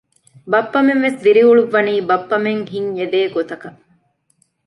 ބައްޕަމެން ވެސް ދިރިއުޅުއްވަނީ ބައްޕަމެން ހިތް އެދޭ ގޮތަކަށް